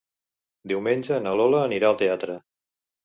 Diumenge na Lola anirà al teatre.